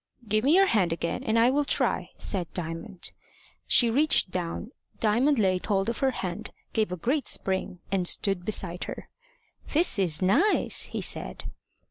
"Give me your hand again, and I will, try" said Diamond. She reached down, Diamond laid hold of her hand, gave a great spring, and stood beside her. "This is nice!" he said.